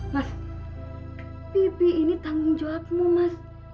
mas pipi ini tanggung jawabmu mas